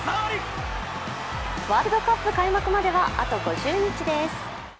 ワールドカップ開幕まではあと５０日です。